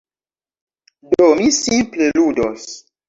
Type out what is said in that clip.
Do, mi simple ludos.